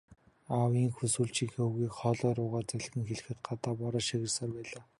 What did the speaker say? Аав ийнхүү сүүлчийнхээ үгийг хоолой руугаа залгин хэлэхэд гадаа бороо шаагьсаар байлаа.